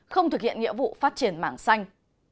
không thực hiện nhiệm vụ phát triển mảng xanh